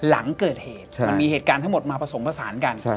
มันมีเหตุการณ์ทั้งหมดมาผสมผสานกัน